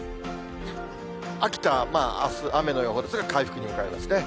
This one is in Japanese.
秋田、あす雨の予報ですが、回復に向かいますね。